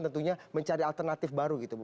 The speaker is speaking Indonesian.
tentunya mencari alternatif baru gitu